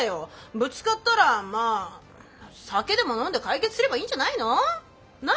ぶつかったらまあ酒でも飲んで解決すればいいんじゃないの？なあ。